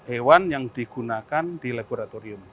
hewan yang digunakan di laboratorium